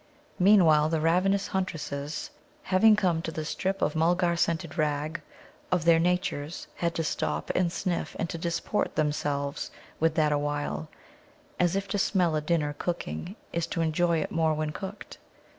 Meanwhile the ravenous huntresses, having come to the strip of Mulgar scented rag, of their natures had to stop and sniff and to disport themselves with that awhile, as if to smell a dinner cooking is to enjoy it more when cooked.